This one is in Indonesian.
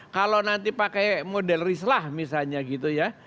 kalau nanti pakai model rislah misalnya gitu ya